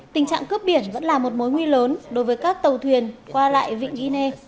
tình trạng cướp biển vẫn là một mối nguy lớn đối với các tàu thuyền qua lại vịnh guinea